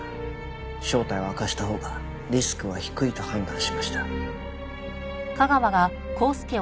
正体を明かしたほうがリスクは低いと判断しました。